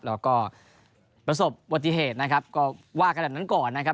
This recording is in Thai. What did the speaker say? แล้วก็ประสบบัติเหตุนะครับก็ว่าขนาดนั้นก่อนนะครับ